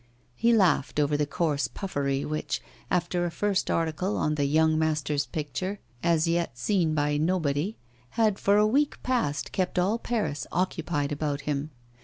He laughed over the coarse puffery which, after a first article on the 'young master's' picture, as yet seen by nobody, had for a week past kept all Paris occupied about him.